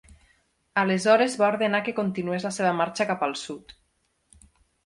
Aleshores va ordenar que continués la seva marxa cap al sud.